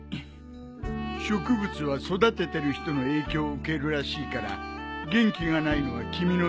植物は育ててる人の影響を受けるらしいから元気がないのは君のせいかもね。